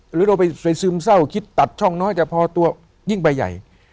หรือเราไปซึมเศร้าคิดตัดช่องน้อยจะพอตัวยิ่งใบใหญ่